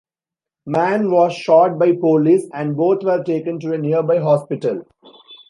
Mann was shot by police and both were taken to a nearby hospital.